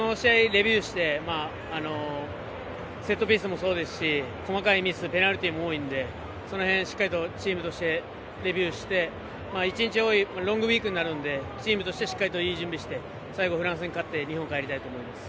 レビューしてセットピースもそうですし細かいミスペナルティーも多いのでその辺をしっかりとチームとして、レビューして１日多いロングウイークになるのでチームとしていい準備をして最後、フランスに勝って日本に帰りたいと思います。